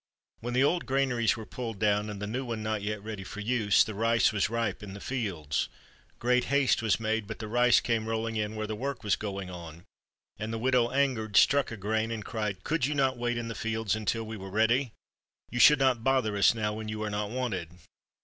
When the old granaries were pulled down and the new one not yet ready for use, the rice was ripe in the fields. Great haste was made, but the rice came rolHng in where the work was going on, and the widow, an gered, struck a grain and cried, "Could you not wait in the fields until we were ready? You should not bother us now when you are not wanted."